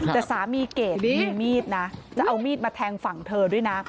แต่สามีเกดไม่มีมีดนะจะเอามีดมาแทงฝั่งเธอด้วยนะ